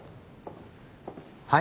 はい？